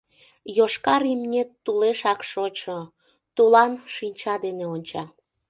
Йошкар имнет тулешак шочо, Тулан шинча дене онча.